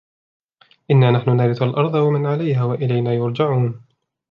إنا نحن نرث الأرض ومن عليها وإلينا يرجعون